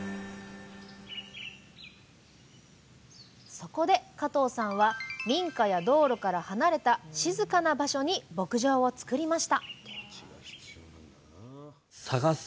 そこで加藤さんは民家や道路から離れた静かな場所に牧場をつくりましたえ